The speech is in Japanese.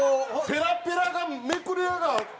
ペラペラがめくれ上がって。